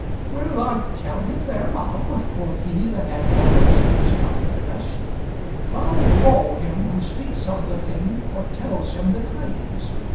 "Will I tell him thereof?" quoth he that had more words to his tongue than the rest; "foul fall him who speaks of the thing or tells him the tidings.